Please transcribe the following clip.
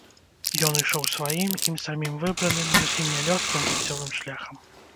Ён ішоў сваім, ім самім выбраным, зусім не лёгкім жыццёвым шляхам.